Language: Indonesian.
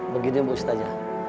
begini bu ustazah